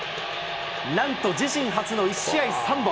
なんと自身初の１試合３本。